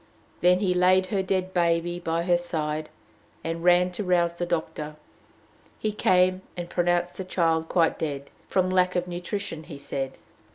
Then he laid her dead baby by her side, and ran to rouse the doctor. He came, and pronounced the child quite dead from lack of nutrition, he said.